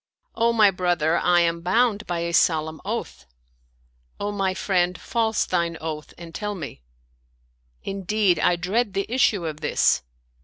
" O my brother, I am bound by a solemn oath." " O my friend, false thine oath and tell me." " Indeed, I dread the issue of this."